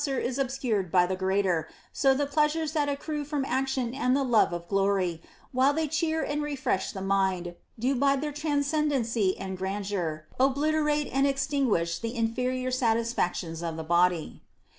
V. 311. 186 PLEASURE NOT ATTAINABLE is obscured by the greater, so the pleasures that accrue from action and the love of glory, while they cheer and re fresh the mind, do by their transcendency and grandeur ob literate and extinguish the inferior satisfactions of the body.